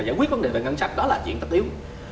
giải quyết vấn đề về ngân sách đó là chuyện tất yếu